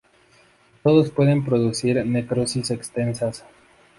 Todos pueden producir necrosis extensas.